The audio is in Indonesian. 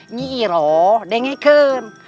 ini iroh dengarkan